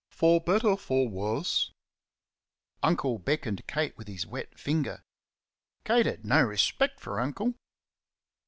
"For better, for worse " Uncle beckoned Kate with his wet finger. Kate had no respect for Uncle.